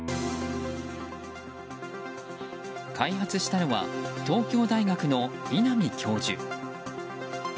開発したのは東京大学の稲見教授。